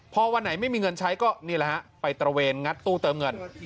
พอวันไหนไม่มีเงินใช้ก็นี่แหละฮะไปตระเวนงัดตู้เติมเงิน